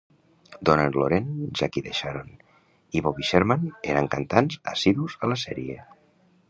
Donna Loren, Jackie DeShannon i Bobby Sherman eren cantants assidus a la sèrie.